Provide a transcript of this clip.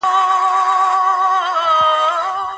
هر سړی د خپل راهمېشهونکي فکر کوي.